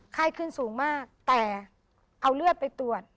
ไข้ขึ้นสูงมากแต่เอาเลือดไปตรวจ